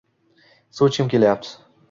Suv ichgim kelayapti.